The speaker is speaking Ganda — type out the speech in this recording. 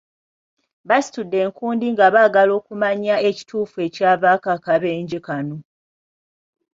Basitudde enkundi nga baagala okumanya ekituufu ekyavaako akabenje kano.